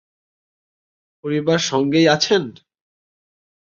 পরিবার সঙ্গেই আছেন?